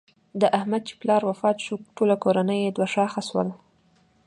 د احمد چې پلار وفات شو ټوله کورنۍ یې دوه شاخه شوله.